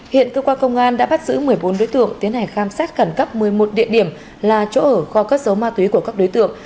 hiện cơ quan công an đã bắt giữ một mươi bốn đối tượng tiến hành khám xét khẩn cấp một mươi một địa điểm là chỗ ở kho cất dấu ma túy của các đối tượng